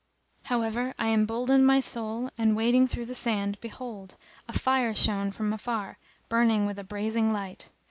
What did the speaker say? [FN#281] However I emboldened my soul and wading through the sand behold, a fire shone from afar burning with a blazing light.